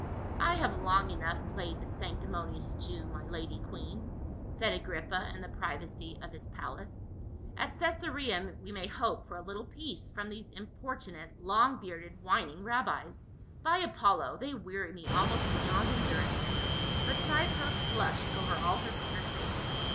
" I have long enough played the sanctimonious Jew, my lady queen," said Agrippa in the privacy of his 24G PAUL. palace. "At Cacsarea we may hope for a little peace from these importunate long bearded whining rabbis. By Apollo ! they weary me almost beyond endur ance." But Cypros flushed over all her fair face.